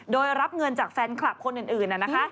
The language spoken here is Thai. โดยรับเงินจากแฟนคลับคนอื่นนะคะ